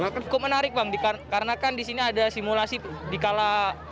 cukup menarik bang karena kan disini ada simulasi dikala